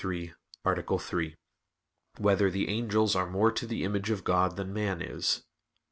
93, Art. 3] Whether the Angels Are More to the Image of God Than Man Is?